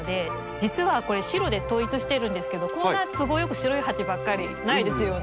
実はこれ白で統一してるんですけどこんな都合よく白い鉢ばっかりないですよね。